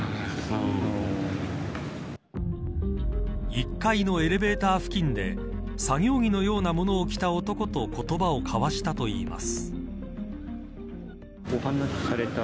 １階のエレベーター付近で作業着のようなものを着た男と言葉を交わしたといいます。